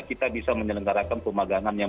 kita bisa menyelenggarakan pemagangan yang